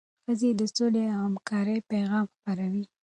ښځې د سولې او همکارۍ پیغام خپروي.